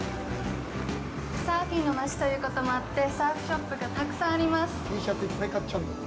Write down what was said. サーフィンの街ということもあってサーフショップがたくさんあります。